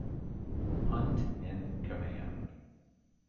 Hunt in command.